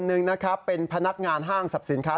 หนึ่งนะครับเป็นพนักงานห้างสรรพสินค้า